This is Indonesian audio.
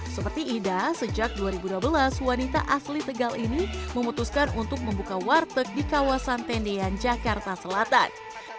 seperti ida sejak dua ribu dua belas wanita asli tegal ini memutuskan untuk membuka warteg di kawasan tendean jakarta selatan